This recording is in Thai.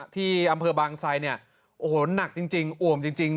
ที่อำเภอบางไซด์โอ้โฮหนักจริงอว่มจริง